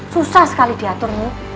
susah sekali diaturnya